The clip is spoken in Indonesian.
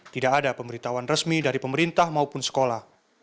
tidak ada pemberitahuan resmi dari pemerintah maupun sekolah